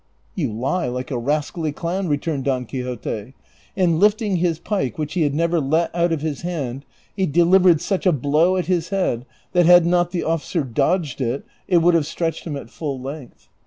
" You lie like a rascally clown," returned Don Quixote; and lifting his pike, which he had never let out of his hand, he delivered such a blow at his head that, had not the officer dodged it, it would have stretched him at full length.